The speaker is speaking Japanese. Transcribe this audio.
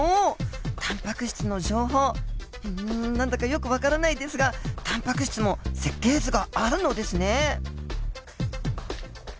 うん何だかよく分からないですがタンパク質も設計図があるのですね。